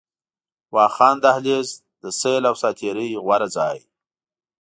واخان دهلېز، د سيل او ساعتري غوره ځای